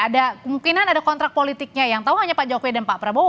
ada kemungkinan ada kontrak politiknya yang tahu hanya pak jokowi dan pak prabowo